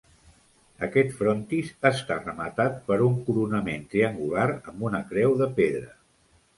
Aquest frontis està rematat per un coronament triangular amb una creu de pedra.